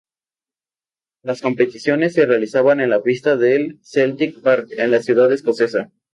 Las competiciones se realizaron en la pista del Celtic Park de la ciudad escocesa.